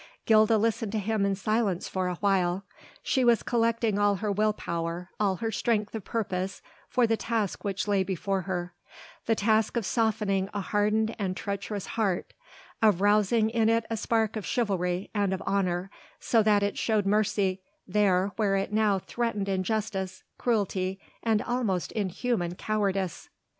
Gilda listened to him in silence for awhile. She was collecting all her will power, all her strength of purpose for the task which lay before her the task of softening a hardened and treacherous heart, of rousing in it a spark of chivalry and of honour so that it showed mercy there where it now threatened injustice, cruelty and almost inhuman cowardice.